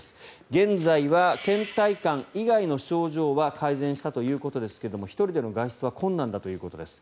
現在はけん怠感以外の症状は改善したということですが１人での外出は困難だということです。